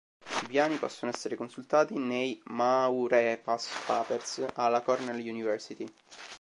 I piani possono essere consultati nei 'Maurepas Papers' alla Cornell University.